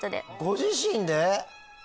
ご自身で？